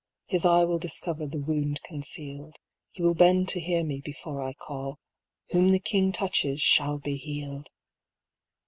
His eye will discover the wound concealed ; He will bend to hear me before I call. Whom the King touches shall be healed